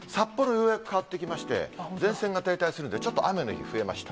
ようやく変わってきまして、前線が停滞するんで、ちょっと雨の日増えました。